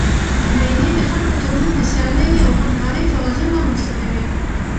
مېلې د خلکو تر منځ د سیالۍ او همکارۍ توازن رامنځ ته کوي.